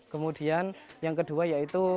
kemudian yang kedua yaitu